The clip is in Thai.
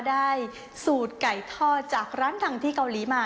ได้สูตรไก่ทอดจากร้านดังที่เกาหลีมา